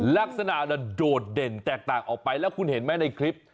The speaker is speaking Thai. ลักษณะโดดเด่นแตกต่างออกไปแล้วคุณเห็นไหมในคลิป